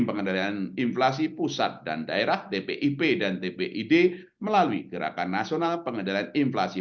pengendalian inflasi pusat dan daerah tpip dan tpid melalui gerakan nasional pengendalian inflasi